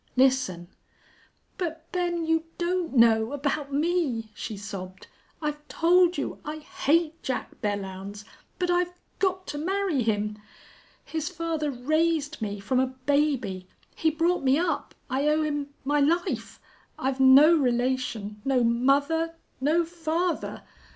Listen " "But, Ben you don't know about me," she sobbed. "I've told you I hate Jack Belllounds. But I've got to marry him!... His father raised me from a baby. He brought me up. I owe him my life.... I've no relation no mother no father!